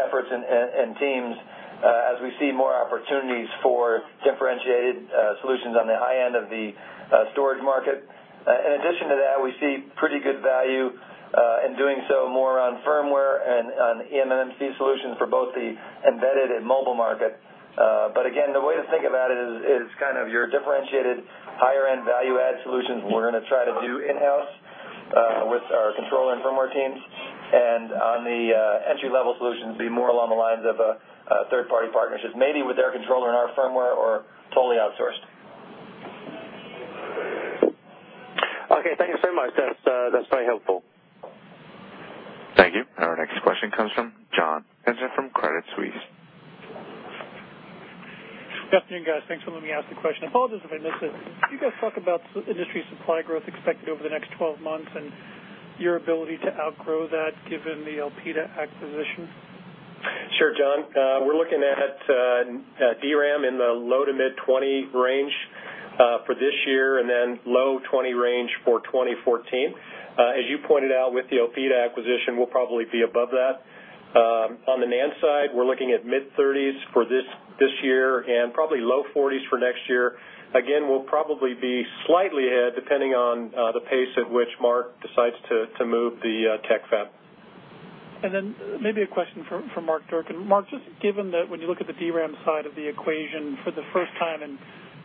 efforts and teams as we see more opportunities for differentiated solutions on the high end of the storage market. In addition to that, we see pretty good value in doing so more on firmware and on eMMC solutions for both the embedded and mobile market. Again, the way to think about it is kind of your differentiated higher-end value-add solutions, we're going to try to do in-house. With our controller and firmware teams, and on the entry-level solutions, be more along the lines of third-party partnerships, maybe with their controller and our firmware or totally outsourced. Okay, thank you so much. That's very helpful. Thank you. Our next question comes from John Pitzer from Credit Suisse. Good afternoon, guys. Thanks for letting me ask the question. Apologies if I missed this. Can you guys talk about industry supply growth expected over the next 12 months and your ability to outgrow that given the Elpida acquisition? Sure, John. We're looking at DRAM in the low to mid 20 range for this year, low 20 range for 2014. As you pointed out with the Elpida acquisition, we'll probably be above that. On the NAND side, we're looking at mid-30s for this year and probably low 40s for next year. Again, we'll probably be slightly ahead, depending on the pace at which Mark decides to move the tech fab. Maybe a question for Mark Durcan. Mark, just given that when you look at the DRAM side of the equation, for the first time in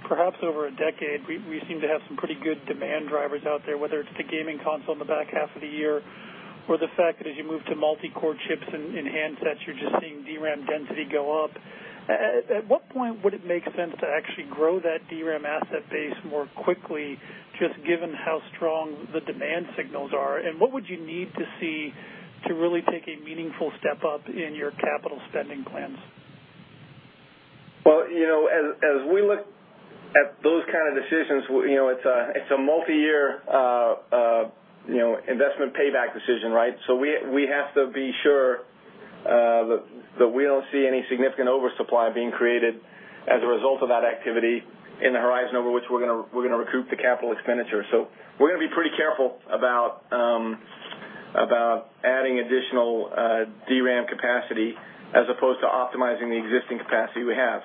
perhaps over a decade, we seem to have some pretty good demand drivers out there, whether it's the gaming console in the back half of the year or the fact that as you move to multi-core chips in handsets, you're just seeing DRAM density go up. At what point would it make sense to actually grow that DRAM asset base more quickly, just given how strong the demand signals are? What would you need to see to really take a meaningful step up in your capital spending plans? Well, as we look at those kind of decisions, it's a multi-year investment payback decision, right? We have to be sure that we don't see any significant oversupply being created as a result of that activity in the horizon over which we're going to recoup the capital expenditure. We're going to be pretty careful about adding additional DRAM capacity as opposed to optimizing the existing capacity we have.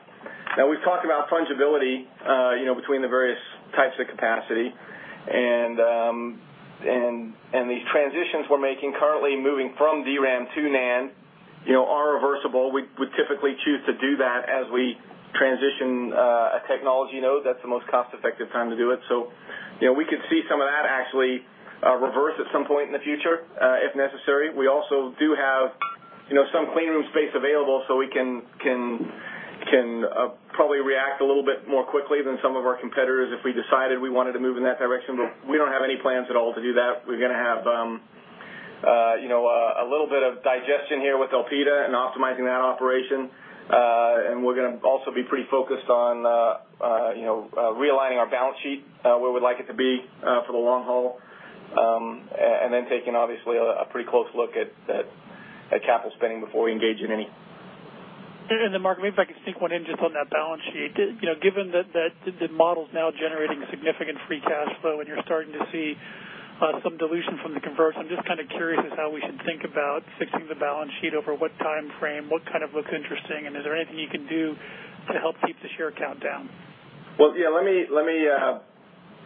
Now, we've talked about fungibility between the various types of capacity, and these transitions we're making currently moving from DRAM to NAND are reversible. We typically choose to do that as we transition a technology node. That's the most cost-effective time to do it. We could see some of that actually reverse at some point in the future if necessary. We also do have some clean room space available so we can probably react a little bit more quickly than some of our competitors if we decided we wanted to move in that direction. We don't have any plans at all to do that. We're going to have a little bit of digestion here with Elpida and optimizing that operation. We're going to also be pretty focused on realigning our balance sheet where we'd like it to be for the long haul, taking obviously a pretty close look at capital spending before we engage in any. Mark, maybe if I could sneak one in just on that balance sheet. Given that the model's now generating significant free cash flow and you're starting to see some dilution from the conversion, I'm just kind of curious as to how we should think about fixing the balance sheet over what time frame, what kind of looks interesting, and is there anything you can do to help keep the share count down? Well, yeah, let me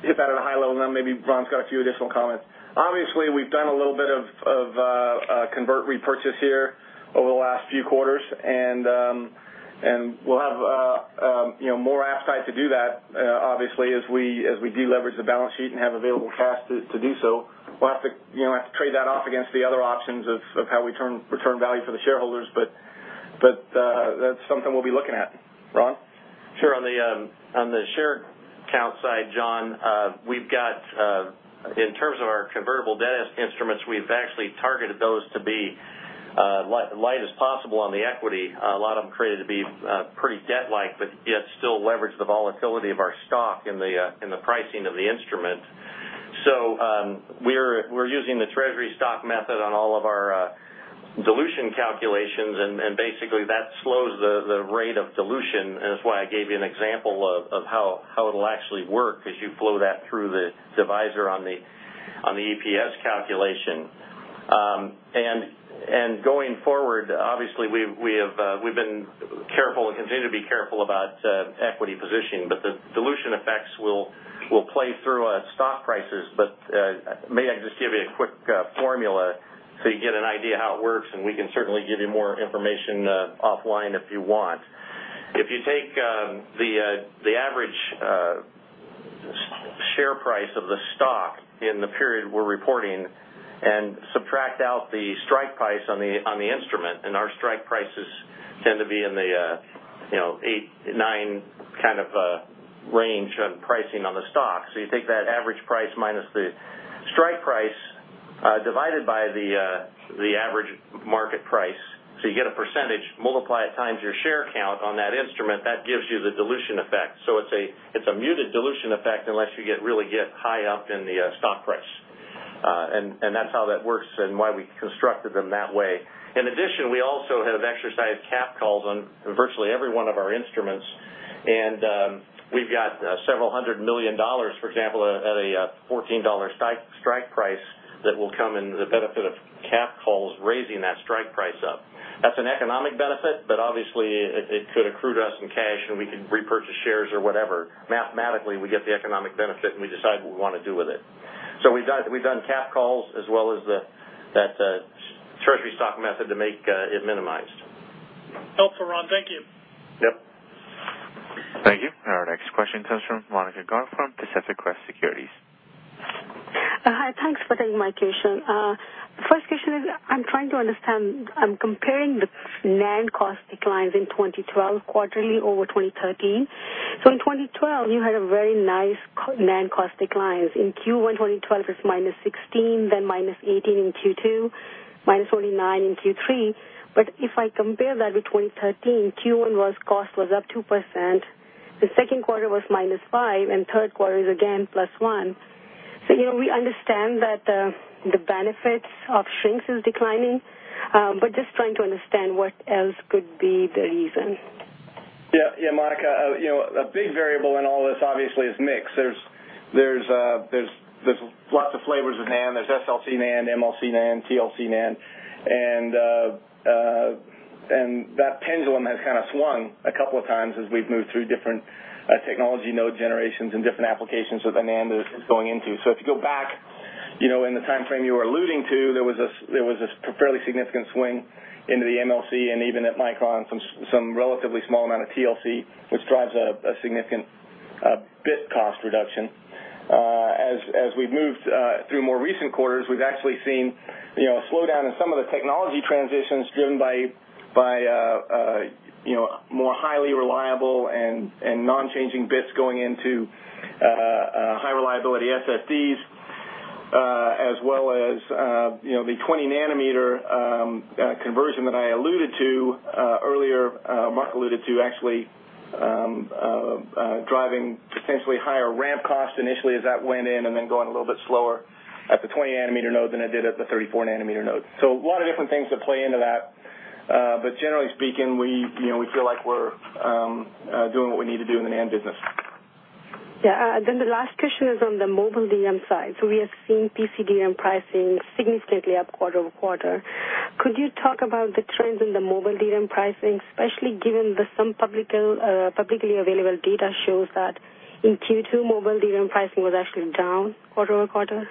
hit that at a high level, and then maybe Ron's got a few additional comments. Obviously, we've done a little bit of convert repurchase here over the last few quarters, we'll have more appetite to do that, obviously, as we de-leverage the balance sheet and have available cash to do so. We'll have to trade that off against the other options of how we return value for the shareholders, that's something we'll be looking at. Ron? Sure. On the share count side, John, we've got in terms of our convertible debt instruments, we've actually targeted those to be light as possible on the equity. A lot of them created to be pretty debt-like, but yet still leverage the volatility of our stock in the pricing of the instrument. We're using the treasury stock method on all of our dilution calculations, and basically, that slows the rate of dilution, and that's why I gave you an example of how it'll actually work as you flow that through the divisor on the EPS calculation. Going forward, obviously, we've been careful and continue to be careful about equity positioning, but the dilution effects will play through our stock prices. May I just give you a quick formula so you get an idea how it works, and we can certainly give you more information offline if you want. If you take the average share price of the stock in the period we're reporting and subtract out the strike price on the instrument, and our strike prices tend to be in the eight, nine kind of range on pricing on the stock. You take that average price minus the strike price, divided by the average market price, so you get a percentage, multiply it times your share count on that instrument, that gives you the dilution effect. It's a muted dilution effect unless you really get high up in the stock price. That's how that works and why we constructed them that way. In addition, we also have exercised cap calls on virtually every one of our instruments, and we've got several hundred million dollars, for example, at a $14 strike price that will come in the benefit of cap calls raising that strike price up. That's an economic benefit, but obviously, it could accrue to us in cash, and we could repurchase shares or whatever. Mathematically, we get the economic benefit, and we decide what we want to do with it. We've done cap calls as well as the treasury stock method to make it minimized. Helpful, Ron. Thank you. Yep. Thank you. Our next question comes from Monika Garg from Pacific Crest Securities. Hi. Thanks for taking my question. First question is, I'm trying to understand, I'm comparing the NAND cost declines in 2012 quarterly over 2013. In 2012, you had a very nice NAND cost declines. In Q1 2012, it's -16%, then -18% in Q2, -9% in Q3. If I compare that with 2013, Q1 was cost was up 2%. The second quarter was -5%, and third quarter is again +1%. We understand that the benefits of shrinks is declining, but just trying to understand what else could be the reason. Yeah, Monika. A big variable in all this obviously is mix. There's lots of flavors of NAND. There's SLC NAND, MLC NAND, TLC NAND. That pendulum has kind of swung a couple of times as we've moved through different technology node generations and different applications with the NAND that it's going into. If you go back in the timeframe you were alluding to, there was a fairly significant swing into the MLC and even at Micron, some relatively small amount of TLC, which drives a significant bit cost reduction. As we've moved through more recent quarters, we've actually seen a slowdown in some of the technology transitions driven by more highly reliable and non-changing bits going into high-reliability SSDs, as well as the 20 nanometer conversion that I alluded to earlier, Mark alluded to, actually, driving potentially higher ramp cost initially as that went in and then going a little bit slower at the 20 nanometer node than it did at the 34 nanometer node. A lot of different things that play into that. Generally speaking, we feel like we're doing what we need to do in the NAND business. Yeah. The last question is on the mobile DRAM side. We are seeing PC DRAM pricing significantly up quarter-over-quarter. Could you talk about the trends in the mobile DRAM pricing, especially given that some publicly available data shows that in Q2, mobile DRAM pricing was actually down quarter-over-quarter?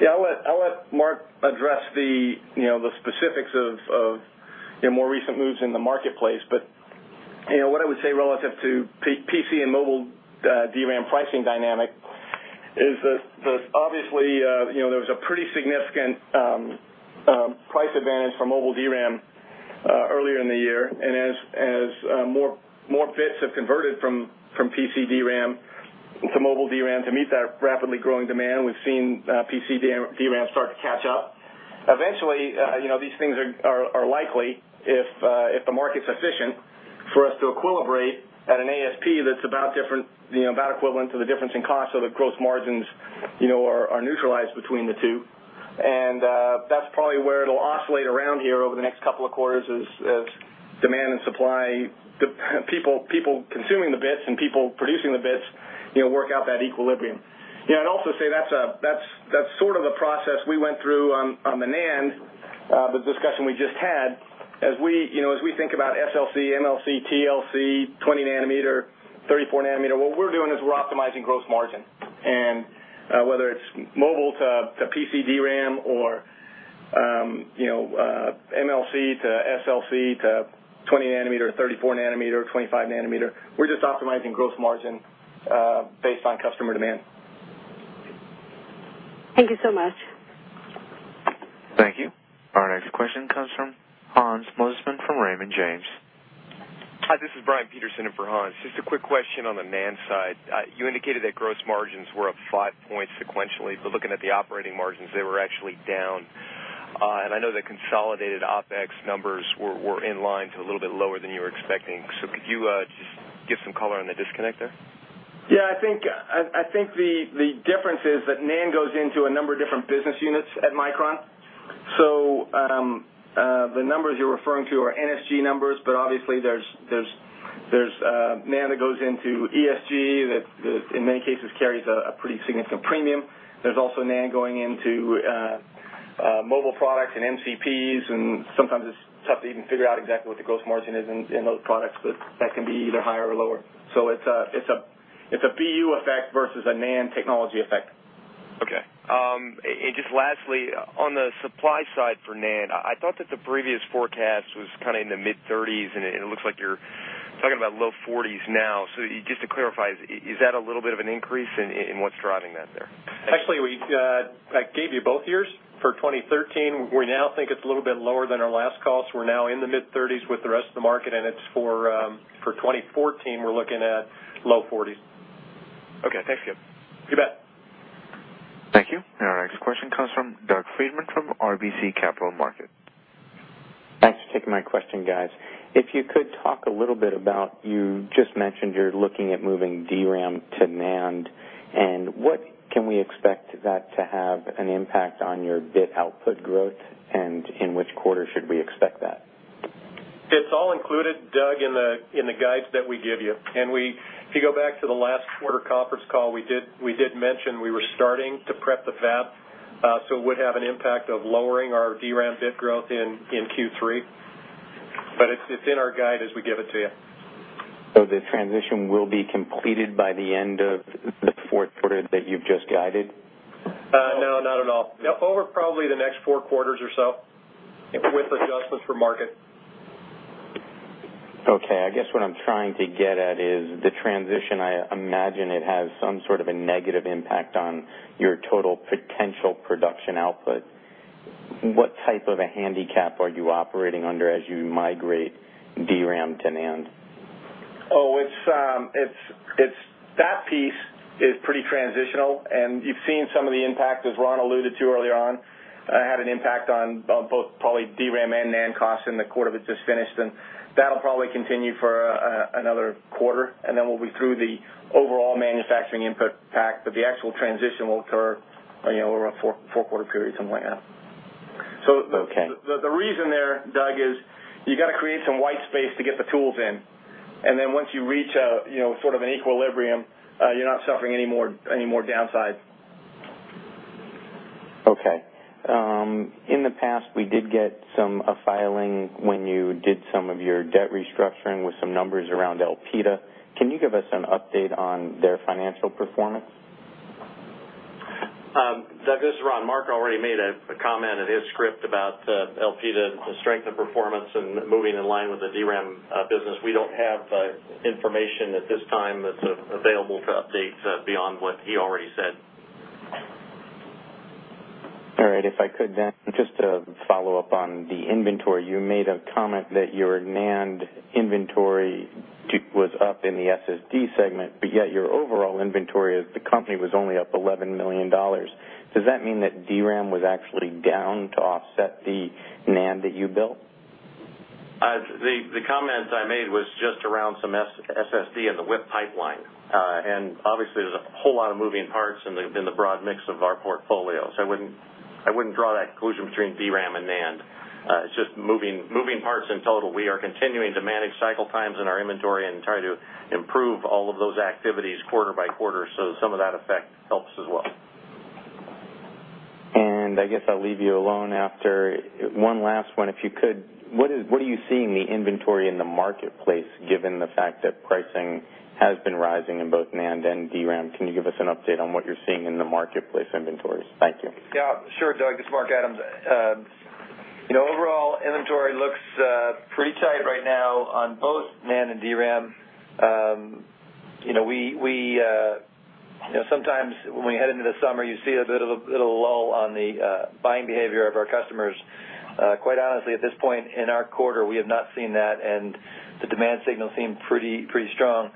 Yeah, I'll let Mark address the specifics of more recent moves in the marketplace. What I would say relative to PC and mobile DRAM pricing dynamic is that obviously, there was a pretty significant price advantage for mobile DRAM earlier in the year. As more bits have converted from PC DRAM to mobile DRAM to meet that rapidly growing demand, we've seen PC DRAM start to catch up. Eventually, these things are likely, if the market's efficient, for us to equilibrate at an ASP that's about equivalent to the difference in cost, so the gross margins are neutralized between the two. That's probably where it'll oscillate around here over the next couple of quarters as demand and supply, people consuming the bits and people producing the bits work out that equilibrium. I'd also say that's sort of a process we went through on the NAND, the discussion we just had. As we think about SLC, MLC, TLC, 20 nanometer, 34 nanometer, what we're doing is we're optimizing gross margin. Whether it's mobile to PC DRAM or MLC to SLC to 20 nanometer, 34 nanometer, 25 nanometer, we're just optimizing gross margin based on customer demand. Thank you so much. Thank you. Our next question comes from Hans Mosesmann from Raymond James. Hi, this is Brian Peterson in for Hans. Just a quick question on the NAND side. You indicated that gross margins were up five points sequentially, looking at the operating margins, they were actually down. I know the consolidated OpEx numbers were in line to a little bit lower than you were expecting. Could you just give some color on the disconnect there? I think the difference is that NAND goes into a number of different business units at Micron. The numbers you're referring to are NSG numbers, obviously there's NAND that goes into ESG, that in many cases carries a pretty significant premium. There's also NAND going into mobile products and MCPs, sometimes it's tough to even figure out exactly what the gross margin is in those products, that can be either higher or lower. It's a BU effect versus a NAND technology effect. Okay. Just lastly, on the supply side for NAND, I thought that the previous forecast was kind of in the mid-30s, it looks like you're talking about low 40s now. Just to clarify, is that a little bit of an increase, and what's driving that there? Actually, I gave you both years. For 2013, we now think it's a little bit lower than our last cost. We're now in the mid-30s with the rest of the market, and it's for 2014, we're looking at low 40s. Okay. Thank you. You bet. Thank you. Our next question comes from Doug Freedman from RBC Capital Markets. Thanks for taking my question, guys. If you could talk a little bit about, you just mentioned you're looking at moving DRAM to NAND, what can we expect that to have an impact on your bit output growth, and in which quarter should we expect that? It's all included, Doug, in the guides that we give you. If you go back to the last quarter conference call, we did mention we were starting to prep the fab, so it would have an impact of lowering our DRAM bit growth in Q3. It's in our guide as we give it to you. The transition will be completed by the end of the fourth quarter that you've just guided? No, not at all. Over probably the next four quarters or so, with adjustments for market. Okay. I guess what I'm trying to get at is the transition, I imagine it has some sort of a negative impact on your total potential production output. What type of a handicap are you operating under as you migrate DRAM to NAND? Oh, that piece is pretty transitional, you've seen some of the impact, as Ron alluded to earlier on. It had an impact on both probably DRAM and NAND costs in the quarter that just finished, that'll probably continue for another quarter, then we'll be through the overall manufacturing input pack, the actual transition will occur over a four-quarter period, something like that. Okay. The reason there, Doug, is you got to create some white space to get the tools in, then once you reach sort of an equilibrium, you're not suffering any more downside. Okay. In the past, we did get a filing when you did some of your debt restructuring with some numbers around Elpida. Can you give us an update on their financial performance? Doug, this is Ron. Mark already made a comment in his script about Elpida, the strength of performance and moving in line with the DRAM business. We don't have information at this time that's available to update beyond what he already said. All right. If I could then, just to follow up on the inventory, you made a comment that your NAND inventory was up in the SSD segment, but yet your overall inventory of the company was only up $11 million. Does that mean that DRAM was actually down to offset the NAND that you built? The comment I made was just around some SSD and the WIP pipeline. Obviously, there's a whole lot of moving parts in the broad mix of our portfolio. I wouldn't draw that conclusion between DRAM and NAND. It's just moving parts in total. We are continuing to manage cycle times in our inventory and try to improve all of those activities quarter by quarter, so some of that effect helps as well. I guess I'll leave you alone after one last one, if you could. What are you seeing the inventory in the marketplace, given the fact that pricing has been rising in both NAND and DRAM? Can you give us an update on what you're seeing in the marketplace inventories? Thank you. Yeah. Sure, Doug, this is Mark Adams. Overall inventory looks pretty tight right now on both NAND and DRAM. Sometimes, when we head into the summer, you see a bit of a lull on the buying behavior of our customers. Quite honestly, at this point in our quarter, we have not seen that, and the demand signals seem pretty strong.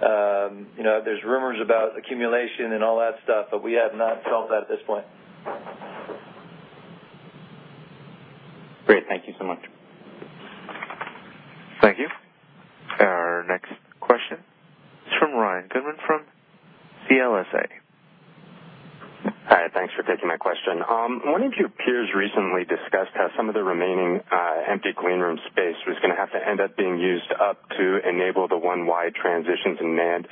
There's rumors about accumulation and all that stuff, but we have not felt that at this point. Great. Thank you so much. Thank you. Our next question is from Ryan Goodman from CLSA. Hi. Thanks for taking my question. One of your peers recently discussed how some of the remaining empty clean room space was going to have to end up being used up to enable the 1Y transitions in NAND.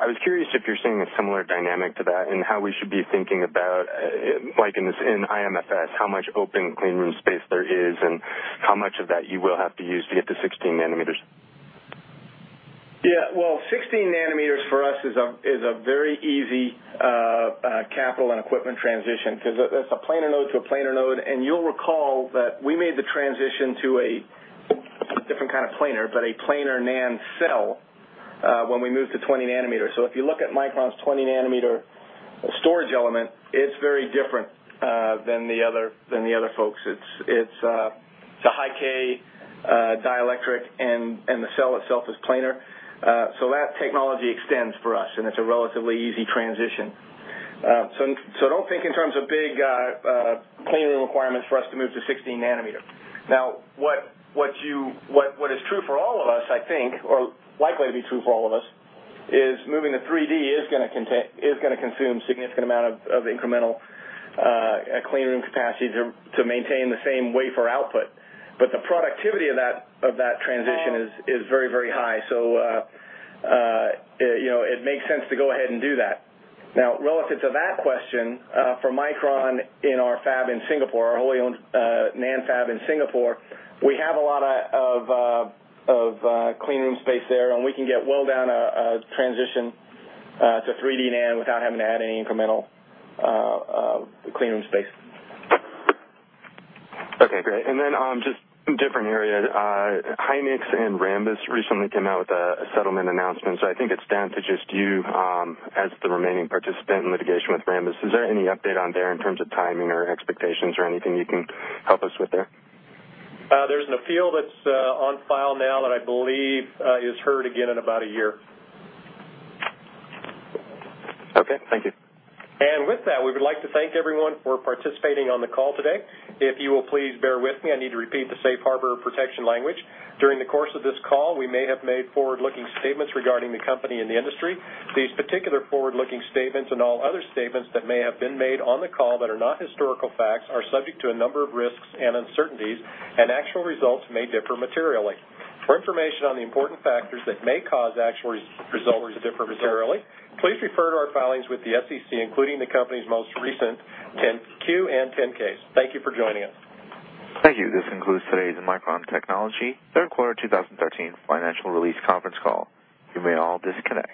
I was curious if you're seeing a similar dynamic to that and how we should be thinking about, in IMFT, how much open clean room space there is and how much of that you will have to use to get to 16 nanometers. 16 nanometers for us is a very easy capital and equipment transition because it's a planar node to a planar node, and you'll recall that we made the transition to a different kind of planar, but a planar NAND cell, when we moved to 20 nanometers. If you look at Micron's 20-nanometer storage element, it's very different than the other folks'. It's a high-k dielectric, and the cell itself is planar. That technology extends for us, and it's a relatively easy transition. Don't think in terms of big clean room requirements for us to move to 16 nanometer. What is true for all of us, I think, or likely to be true for all of us, is moving to 3D is going to consume a significant amount of incremental clean room capacity to maintain the same wafer output. The productivity of that transition is very high, so it makes sense to go ahead and do that. Relative to that question, for Micron in our fab in Singapore, our wholly-owned NAND fab in Singapore, we have a lot of clean room space there, and we can get well down a transition to 3D NAND without having to add any incremental clean room space. Great. Just different area. Hynix and Rambus recently came out with a settlement announcement, so I think it's down to just you as the remaining participant in litigation with Rambus. Is there any update on there in terms of timing or expectations or anything you can help us with there? There's an appeal that's on file now that I believe is heard again in about a year. Okay, thank you. With that, we would like to thank everyone for participating on the call today. If you will please bear with me, I need to repeat the safe harbor protection language. During the course of this call, we may have made forward-looking statements regarding the company and the industry. These particular forward-looking statements and all other statements that may have been made on the call that are not historical facts are subject to a number of risks and uncertainties, and actual results may differ materially. For information on the important factors that may cause actual results to differ materially, please refer to our filings with the SEC, including the company's most recent Q and 10-Ks. Thank you for joining us. Thank you. This concludes today's Micron Technology third quarter 2013 financial release conference call. You may all disconnect.